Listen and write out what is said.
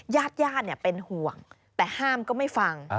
ญาติญาติเป็นห่วงแต่ห้ามก็ไม่ฟัง